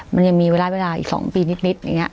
มันยังมีเวลาอีก๒ปีนิดอย่างนี้